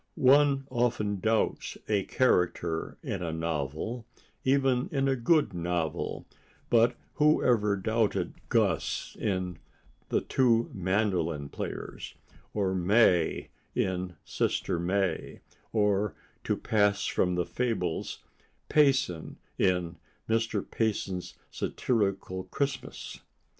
One often doubts a character in a novel, even in a good novel, but who ever doubted Gus in "The Two Mandolin Players," or Mae in "Sister Mae," or, to pass from the fables, Payson in "Mr. Payson's Satirical Christmas"?